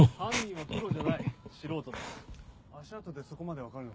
はい。